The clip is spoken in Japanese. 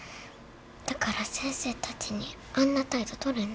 だから先生たちにあんな態度取るんだよ